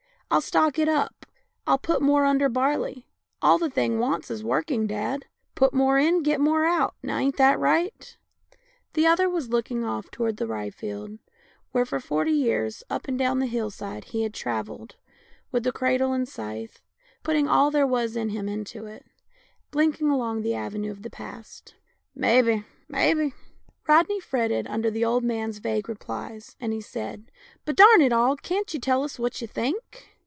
" I'll stock it up, I'll put more under barley. All the thing wants is working, dad. Put more in, get more out. Now ain't that right ?" UNCLE JIM 195 The other was looking off towards the rye field, where, for forty years, up and down the hill side, he had travelled with the cradle and the scythe, putting all there was in him into it, and he answered, blinking along the avenue of the past: " Mebbe, mebbe !" Rodney fretted under the old man's vague replies, and said, " But darn it all, can't you tell us what you think?"